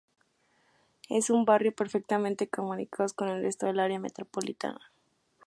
Es un barrio perfectamente comunicados con el resto del área metropolitana.